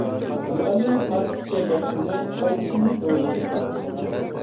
مۇئەللىم ئارتۇقچە گەپ قىلماي قايتىشىمنى بۇيرۇدى.